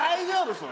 それ！